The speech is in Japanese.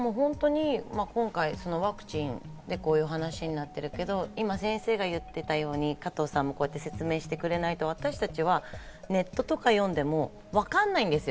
今回ワクチンでこういう話になってるけど、今、先生が言ってたように、加藤さんも説明してくれないと、私たちはネットとか読んでもわかんないんですよ。